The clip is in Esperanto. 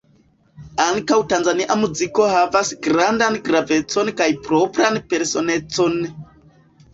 Ankaŭ Tanzania muziko havas grandan gravecon kaj propran personecon.